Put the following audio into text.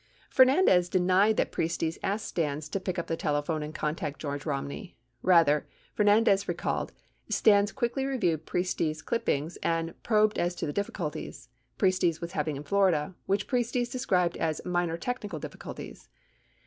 88 Fernandez denied that Priestes asked Stans to "pick up the tele phone and contact George Romney". Rather, Fernandez recalled, Stans quickly reviewed Priestes' clippings and "probed as to the difficulties" Priestes was having in Florida, which Priestes described as "minor technical difficulties."